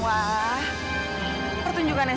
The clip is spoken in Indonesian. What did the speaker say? ayo terima kasih